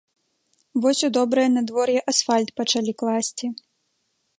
Вось у добрае надвор'е асфальт пачалі класці.